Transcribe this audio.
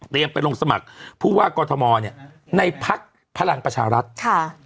เตรียมไปลงสมัครผู้ว่ากอทมในพักธ์พลังประชารัฐ